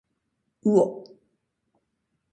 うおっ。